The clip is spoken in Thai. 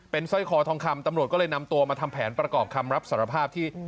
สร้อยคอทองคำตำรวจก็เลยนำตัวมาทำแผนประกอบคำรับสารภาพที่